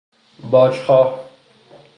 باج خواه